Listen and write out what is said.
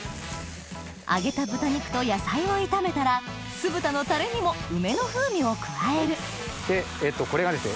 揚げた豚肉と野菜を炒めたら酢豚のタレにも梅の風味を加えるこれがですね。